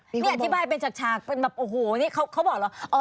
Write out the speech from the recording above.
นี่อธิบายเป็นฉากเป็นแบบโอ้โหนี่เขาบอกเหรอ